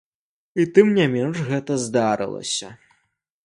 І тым не менш, гэта здарылася.